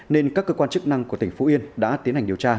nên các cơ quan chức năng của tỉnh phú yên đã tiến hành điều tra